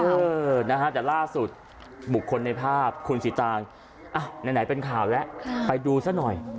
เออนะฮะแต่ล่าสุดบุคคลในภาพคุณสีตางอ่ะไหนเป็นข่าวแล้วไปดูซะหน่อย